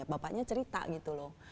bapaknya cerita gitu loh